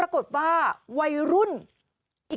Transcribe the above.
กลุ่มหนึ่งก็คือ